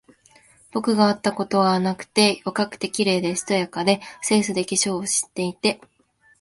僕があったことがなくて、若くて、綺麗で、しとやかで、清純で、化粧を知っていて、